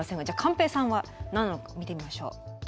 じゃあ寛平さんは何なのか見てみましょう。